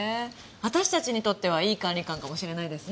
私たちにとってはいい管理官かもしれないですね。